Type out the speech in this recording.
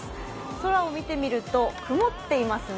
空を見てみると曇っていますね。